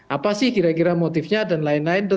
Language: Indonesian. apa sih kira kira motifnya dan lain lain